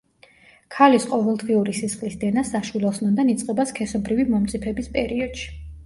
ქალის ყოველთვიური სისხლის დენა საშვილოსნოდან იწყება სქესობრივი მომწიფების პერიოდში.